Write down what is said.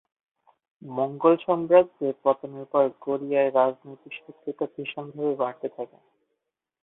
মঙ্গোল সাম্রাজ্যের পতনের পর কোরিয়ায় রাজনৈতিক শত্রুতা ভীষণভাবে বাড়তে থাকে।